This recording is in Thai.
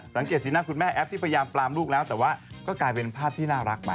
สังเกตสีหน้าคุณแม่แอปที่พยายามปลามลูกแล้วแต่ว่าก็กลายเป็นภาพที่น่ารักใหม่